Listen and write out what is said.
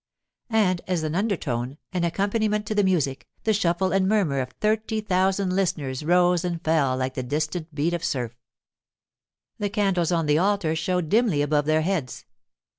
And as an undertone, an accompaniment to the music, the shuffle and murmur of thirty thousand listeners rose and fell like the distant beat of surf. The candles on the altar showed dimly above their heads.